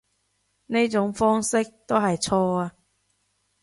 呢種方式都係錯啊